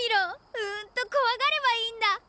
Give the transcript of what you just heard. うんとこわがればいいんだ！